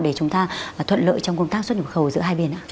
để chúng ta thuận lợi trong công tác xuất nhập khẩu giữa hai biển ạ